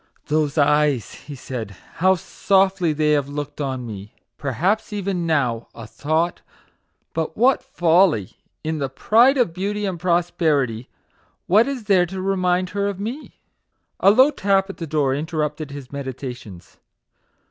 " Those eyes," he said, " how softly they have looked on me ! Perhaps even MAGIC WORDS. 11 now a thought but what folly ! In the pride of beauty and prosperity, what is there to remind her of me ?" A low tap at the door interrupted his medi tations.